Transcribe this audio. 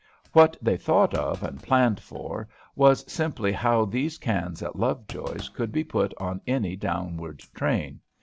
What they thought of, and planned for, was simply how these cans at Lovejoy's could be put on any downward train.